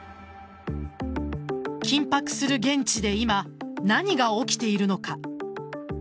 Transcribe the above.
緊迫する現地で今何が起きているのか。